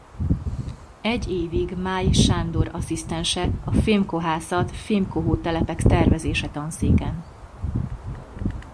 Egy évig Mály Sándor asszisztense a fémkohászat–fémkohótelepek tervezése tanszéken.